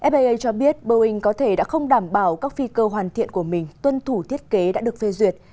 faa cho biết boeing có thể đã không đảm bảo các phi cơ hoàn thiện của mình tuân thủ thiết kế đã được phê duyệt